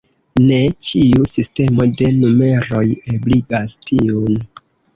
Ne ĉiu sistemo de numeroj ebligas tiun.